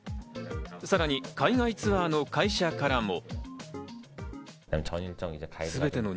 さらに海外ツアーの会社からも。